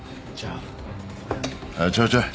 あちょいちょい。